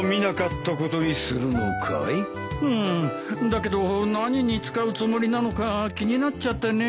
だけど何に使うつもりなのか気になっちゃってね。